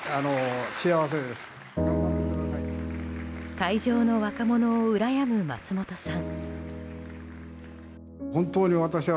会場の若者をうらやむ松本さん。